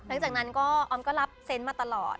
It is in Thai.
หลังจากนั้นก็ออมก็รับเซนต์มาตลอด